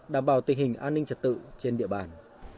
đảm bảo tình hình an ninh trật tự trên địa bàn